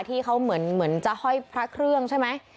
ที่เขาเหมือนจะห้อยพระเครื่องใช่ไหม